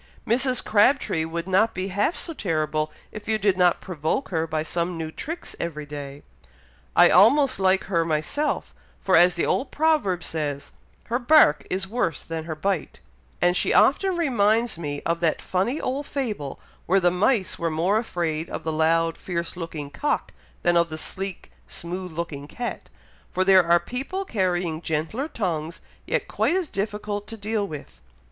Mrs. Crabtree would not be half so terrible if you did not provoke her by some new tricks every day. I almost like her myself; for as the old proverb says, 'her bark is worse than her bite;' and she often reminds me of that funny old fable, where the mice were more afraid of the loud, fierce looking cock, than of the sleek, smooth looking cat, for there are people carrying gentler tongues yet quite as difficult to deal with.